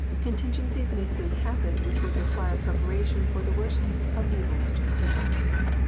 Contingencies may soon happen which would require preparation for the worst of evils to the people.